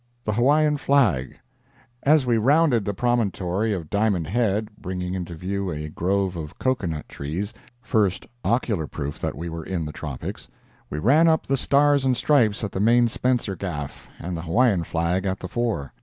THE HAWAIIAN FLAG As we rounded the promontory of Diamond Head (bringing into view a grove of cocoa nut trees, first ocular proof that we were in the tropics), we ran up the stars and stripes at the main spencer gaff, and the Hawaiian flag at the fore.